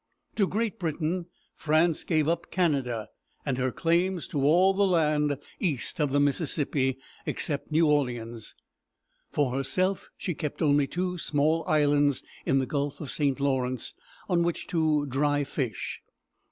To Great Britain France gave up Canada and her claims to all the land east of the Mississippi, except New Orleans. For herself she kept only two small islands in the Gulf of St. Lawrence, on which to dry fish.